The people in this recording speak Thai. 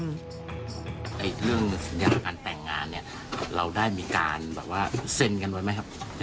สัญญาการแต่งงานหนึ่งเราได้นการเช่นกันไหมครับ